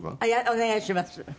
お願いします。